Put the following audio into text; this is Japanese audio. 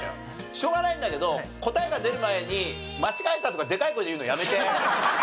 しょうがないんだけど答えが出る前に「間違えた！」とかでかい声で言うのやめて。